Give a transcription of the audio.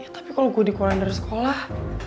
ya tapi kalau gue dikeluarin dari sekolah